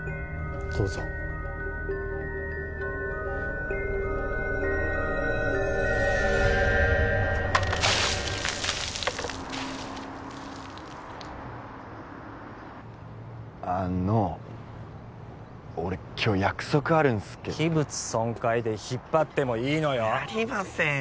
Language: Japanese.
・どうぞ・あの俺今日約束あるんすけど器物損壊で引っ張ってもいいのよやりませんよ